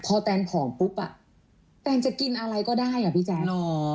พอแตนผอมปุ๊บอ่ะแตนจะกินอะไรก็ได้อ่ะพี่แจ๊ค